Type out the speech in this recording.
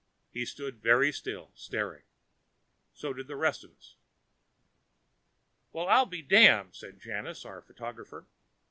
He stood very still, staring. So did the rest of us. "Well, I'll be damned," said Janus, our photographer.